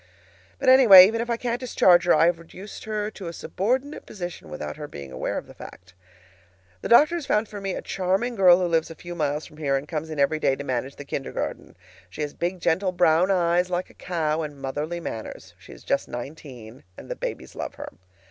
But, anyway, even if I can't discharge her, I have reduced her to a subordinate position without her being aware of the fact. The doctor has found for me a charming girl who lives a few miles from here and comes in every day to manage the kindergarten. She has big, gentle, brown eyes, like a cow's, and motherly manners (she is just nineteen), and the babies love her.